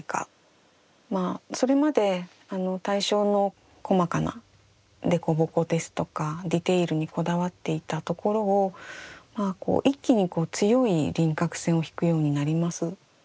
それまで対象の細かな凸凹ですとかディテールにこだわっていたところを一気に強い輪郭線を引くようになります。